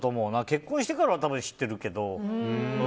結婚してからは知ってるけど。